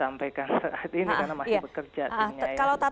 sampaikan saat ini karena masih